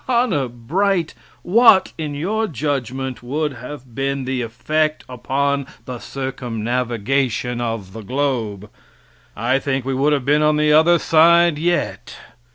Honor bright, what, in your judgment, would have been the effect upon the circumnavigation of the globe? I think we would have been on the other side yet.